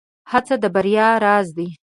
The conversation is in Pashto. هڅه د بريا راز دی.